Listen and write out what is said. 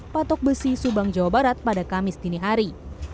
patok besi subang jawa barat pada kamis dinihari